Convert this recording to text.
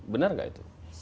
benar nggak itu